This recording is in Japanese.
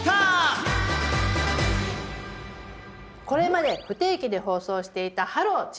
これまで不定期で放送していた「ハロー！